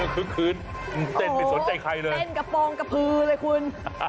คืนเต้นไม่สนใจใครเลยเต้นกระโปรงกระพือเลยคุณ